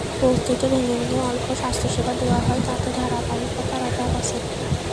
বস্তিতে ভেঙে ভেঙে অল্প স্বাস্থ্যসেবা দেওয়া হয়, তাতে ধারাবাহিকতার অভাব আছে।